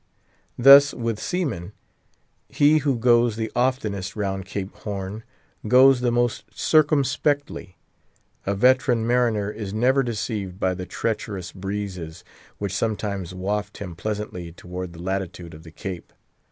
Thus with seamen: he who goes the oftenest round Cape Horn goes the most circumspectly. A veteran mariner is never deceived by the treacherous breezes which sometimes waft him pleasantly toward the latitude of the Cape.